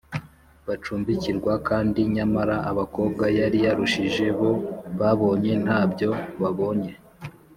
bacumbikirwa kandi nyamara abakobwa yari yarushije bo babonye ntabyo babonye